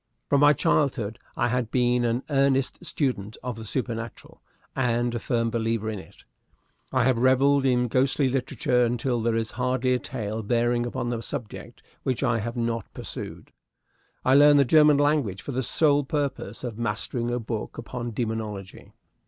From my childhood I had been an earnest student of the supernatural, and a firm believer in it. I have reveled in ghostly literature until there is hardly a tale bearing upon the subject which I have not perused. I learned the German language for the sole purpose of mastering a book upon demonology.